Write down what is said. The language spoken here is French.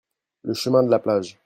Le chemin de la plage.